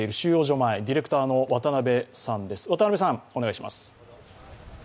前、ディレクターの渡部さんです。